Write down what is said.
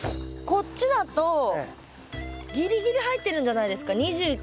こっちだとぎりぎり入ってるんじゃないですか？